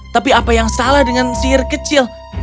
tapi apa yang salah dengan sihir kecil